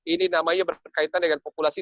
ini namanya berkaitan dengan populasi